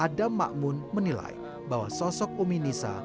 adam makmun menilai bahwa sosok umi nisa